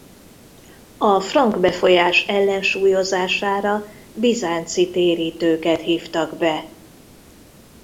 A frank befolyás ellensúlyozására bizánci térítőket hívtak be.